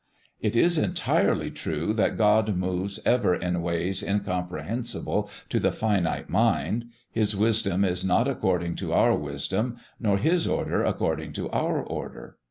It is entirely true that God moves ever in ways incomprehensible to the finite mind. His wisdom is not according to our wisdom, nor His order according to our order.